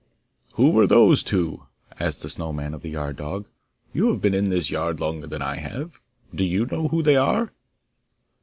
'Who were those two?' asked the Snow man of the yard dog. 'You have been in this yard longer than I have. Do you know who they are?